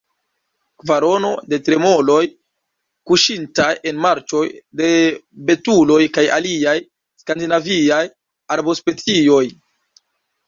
Kvarono – de tremoloj kuŝintaj en marĉoj, de betuloj kaj aliaj skandinaviaj arbospecioj.